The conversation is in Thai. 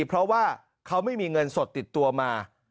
เพราะว่าเขาไม่มีเงินสดติดตัวมา